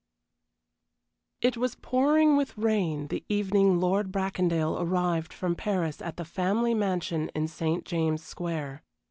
XVI It was pouring with rain the evening Lord Bracondale arrived from Paris at the family mansion in St. James's Square.